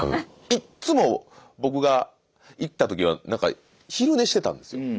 いっつも僕が行った時はなんか昼寝してたんですよ。